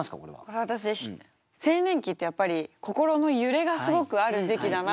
これ私青年期ってやっぱり心の揺れがすごくある時期だなって。